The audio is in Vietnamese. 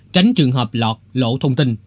tránh trường hợp lọt lộ thông tin